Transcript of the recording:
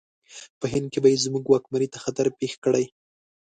په هند کې به زموږ واکمنۍ ته خطر پېښ کړي.